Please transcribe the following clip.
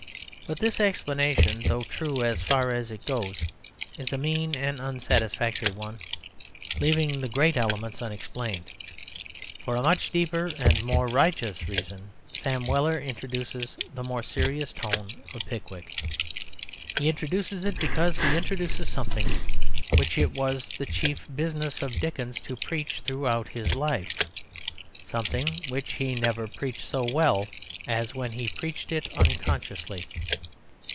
But this explanation, though true as far as it goes, is a mean and unsatisfactory one, leaving the great elements unexplained. For a much deeper and more righteous reason Sam Weller introduces the more serious tone of Pickwick. He introduces it because he introduces something which it was the chief business of Dickens to preach throughout his life something which he never preached so well as when he preached it unconsciously.